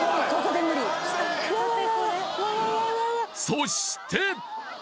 そして！